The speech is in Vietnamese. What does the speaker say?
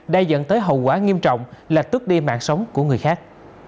đã dẫn tới hậu quả nghiêm trọng là tước đi mạng sống của người khác